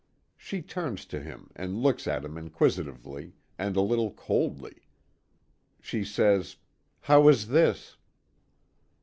She turns to him and looks at him inquisitively, and a little coldly. She says, "How is this?"